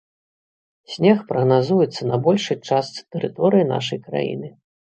Снег прагназуецца на большай частцы тэрыторыі нашай краіны.